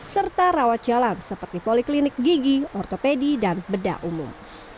serta rawat jalan seperti poliklinik gigi ortopedi dan bedah umum